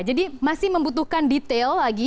masih membutuhkan detail lagi